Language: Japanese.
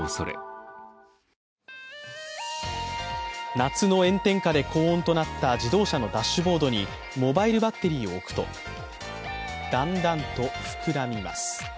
夏の炎天下で高温となった自動車のダッシュボードにモバイルバッテリーを置くとだんだんと膨らみます。